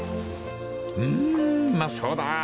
［うーんうまそうだ。